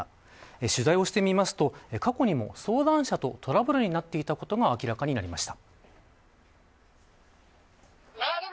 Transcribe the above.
取材をしてみると過去にも相談者とトラブルになっていたことが明らかになりました。